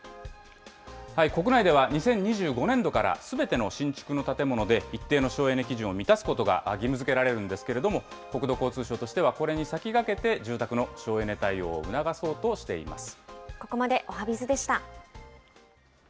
国内では２０２５年度から、すべての新築の建物で一定の省エネ基準を満たすことが義務づけられるんですけれども、国土交通省としてはこれに先駆けて、住宅のここまでおはＢｉｚでした。